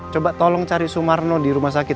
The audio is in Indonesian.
coba tolong cari sumarno di rumah sakit